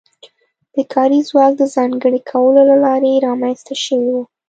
د کاري ځواک د ځانګړي کولو له لارې رامنځته شوې وه.